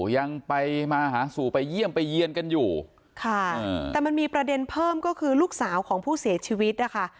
ยังไปมาหาสู่ไปเยี่ยมไปเยี่ยนกันอยู่ค่ะแต่มันมีประเด็นเพิ่มก็คือลูกสาวของผู้เสียชีวิตนะคะ